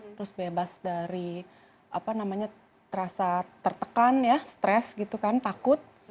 terus bebas dari apa namanya terasa tertekan ya stres gitu kan takut